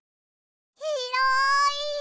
ひろい！